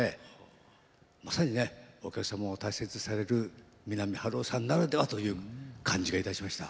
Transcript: まさにねお客さまを大切にされる三波春夫さんならではという感じがいたしました。